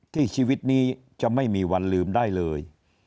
ชีวิตนี้จะไม่มีวันลืมได้เลย